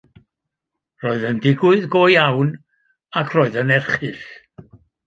Roedd yn digwydd go iawn, ac roedd yn erchyll